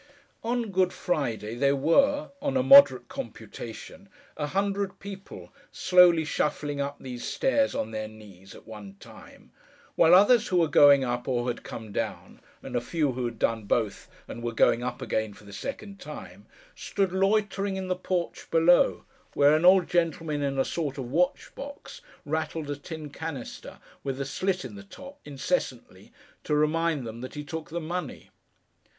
On Good Friday, there were, on a moderate computation, a hundred people, slowly shuffling up these stairs, on their knees, at one time; while others, who were going up, or had come down—and a few who had done both, and were going up again for the second time—stood loitering in the porch below, where an old gentleman in a sort of watch box, rattled a tin canister, with a slit in the top, incessantly, to remind them that he took the money.